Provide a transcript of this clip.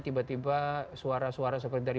tiba tiba suara suara seperti tadi